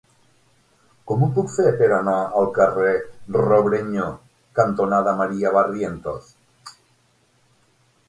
Com ho puc fer per anar al carrer Robrenyo cantonada Maria Barrientos?